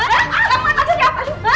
kamu itu anak siapa